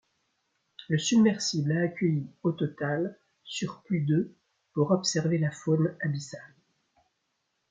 Le submersible a accueilli au total sur plus de pour observer la faune abyssale.